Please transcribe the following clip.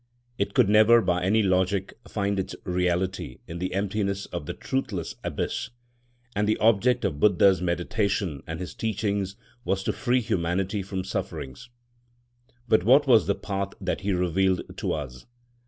It could never, by any logic, find its reality in the emptiness of the truthless abyss. And the object of Buddha's meditation and his teachings was to free humanity from sufferings. But what was the path that he revealed to us?